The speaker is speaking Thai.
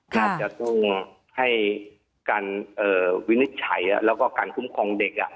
อาจจะต้องให้การวินิจฉัยแล้วก็การคุ้มครองเด็ก